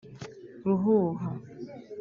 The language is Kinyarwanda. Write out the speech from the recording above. Ruhuha